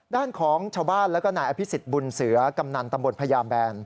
ด้านของชาวบ้านและก็นายอภิษฎิบุญเสือกำนันตพยาบรรยา